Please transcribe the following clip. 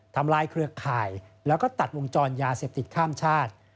ทำลายเครือข่ายแล้วก็ตัดวงจรยาเสพติดข้ามชาติ